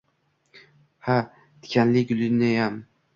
Ha tikanli gulniyam.